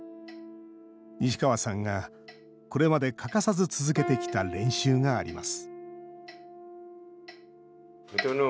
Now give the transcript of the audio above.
西川さんが、これまで欠かさず続けてきた練習があります